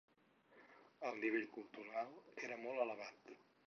El nivell cultural era molt elevat.